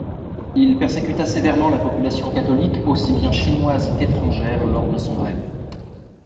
Il persécuta sévèrement la population catholique aussi bien chinoise qu'étrangère lors de son règne.